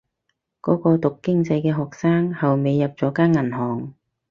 嗰個讀經濟嘅學生後尾入咗間銀行